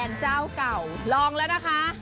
เป็นเจ้าเก่าลองแล้วนะคะ